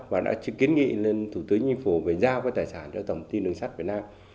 và đã kiến nghị lên thủ tướng nhân phủ về giao tài sản cho tổng công ty đường sắt việt nam